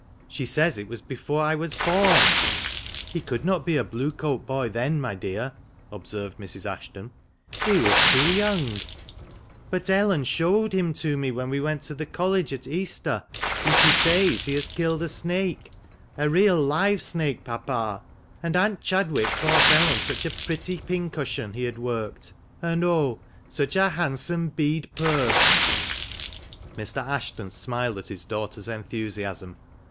She says it was before I was born." " He could not be a Blue coat boy then, my dear," observed Mrs. Ashton; "he was too young," io8 THE MANCHESTER MAN. " But Ellen showed him to me when we went to the College at Easter; and she says he has killed a snake — a real live snake, papa. And Aunt Chadwick bought Ellen such a pretty pincushion he had worked, and, oh ! such a handsome bead purse !" Mr. Ashton smiled at his daughter's enthusiasm.